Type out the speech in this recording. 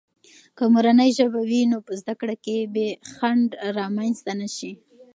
که مورنۍ ژبه وي، نو په زده کړو کې بې خنډ رامنځته نه سي.